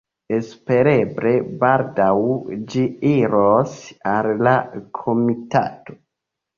Espereble baldaŭ ĝi iros al la komitato.